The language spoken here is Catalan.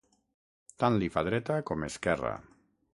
Tant li fa dreta com esquerra.